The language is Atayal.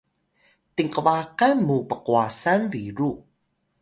tinqbaqan mu pqwasan biru